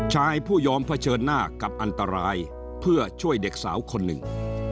ชายผู้ยอมเผชิญหน้ากับอันตรายเพื่อช่วยเด็กสาวคนหนึ่ง